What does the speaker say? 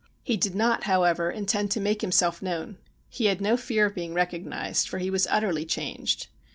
He did not, how ever, intend to make himself known. He had no fear of being recognised, for he was utterly changed.